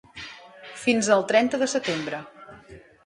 Fins al trenta de setembre.